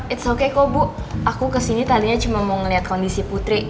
it's okay kok bu aku kesini tadinya cuma mau ngeliat kondisi putri